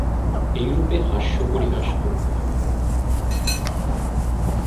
এইরূপে হাস্যপরিহাস চলিতে লাগিল।